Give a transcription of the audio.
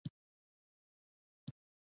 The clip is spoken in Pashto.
ارزښت یې له عالمانو او پوهانو سره خوندي دی.